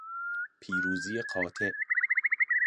پیروزی قاطع